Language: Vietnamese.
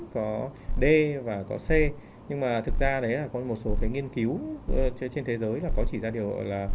có d và có c nhưng mà thực ra đấy là có một số cái nghiên cứu trên thế giới là có chỉ ra điều là